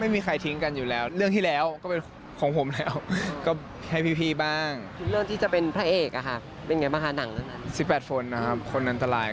ปีนี้เดือน๗แต่ว่าเริ่มเป็นปีหน้าแล้วครับ